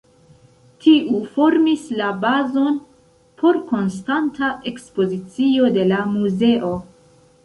Tiu formis la bazon por konstanta ekspozicio de la muzeo.